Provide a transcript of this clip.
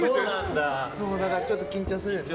だからちょっと緊張するよね。